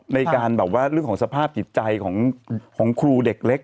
ในเรื่องสภาพจิตใจของครูเด็กเล็ก